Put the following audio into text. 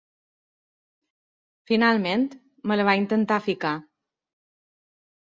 Finalment, me la va intentar ficar.